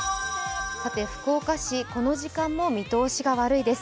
福岡市、この時間も見通しが悪いです。